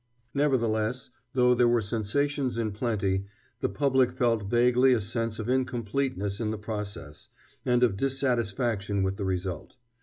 Nevertheless, though there were sensations in plenty, the public felt vaguely a sense of incompleteness in the process, and of dissatisfaction with the result.